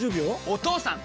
お義父さん！